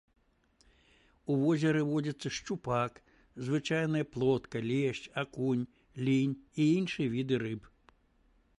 У возеры водзяцца шчупак звычайны, плотка, лешч, акунь, лінь і іншыя віды рыб.